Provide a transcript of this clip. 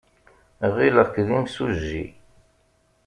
Ɣileɣ-k d imsujji.